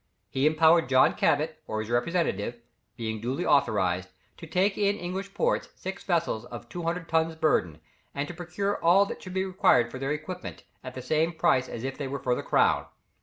He empowered John Cabot or his representative, being duly authorized to take in English ports six vessels of 200 tons' burden, and to procure all that should be required for their equipment, at the same price as if it were for the crown.